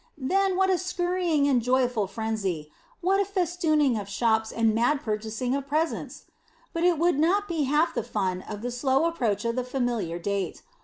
Then what a scurrying and joyful frenzy what a festooning of shops and mad purchasing of presents! But it would not be half the fun of the slow approach of the familiar date.